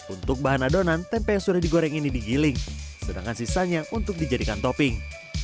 untuk bahan adonan tempe yang sudah digoreng ini digiling sedangkan sisanya untuk dijadikan topping